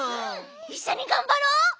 いっしょにがんばろう！